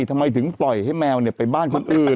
ทำไมถึงปล่อยให้แมวไปบ้านคนอื่น